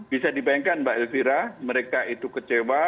bisa dibayangkan mbak elvira mereka itu kecewa